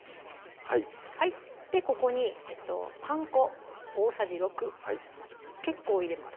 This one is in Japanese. はいはいでここにパン粉大さじ６結構入れます